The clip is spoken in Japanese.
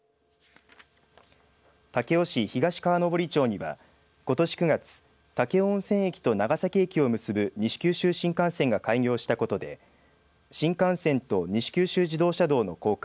武雄市東川登町にはことし９月武雄温泉駅と長崎駅を結ぶ西九州新幹線が開業したことで新幹線と西九州自動車道の高架